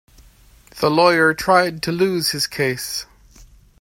The lawyer tried to lose his case.